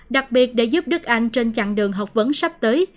đặc biệt để giúp đức anh trên chặng đường học vấn sắp tới